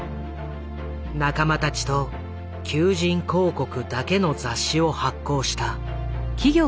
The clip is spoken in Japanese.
仲間たちと求人広告だけの雑誌を発行した。